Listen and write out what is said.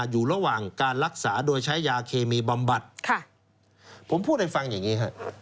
อยู่ระหว่างการรักษาโดยใช้ยาเคมีบำบัดผมพูดให้ฟังอย่างนี้ฮะ